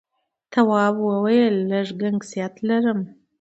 تواب وويل: لږ گنگسیت لرم.